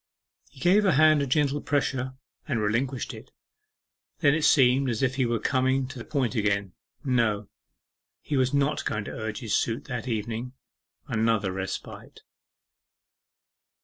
He gave her hand a gentle pressure, and relinquished it. Then it seemed as if he were coming to the point again. No, he was not going to urge his suit that evening. Another respite.